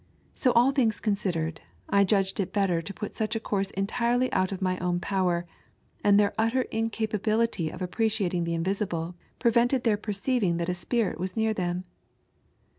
So all things coDHidered, I judged it better to put such a course entirety out of my own power, and their utter incapability of appreciating the invisible prevented their perceiving that a spirit waa near them.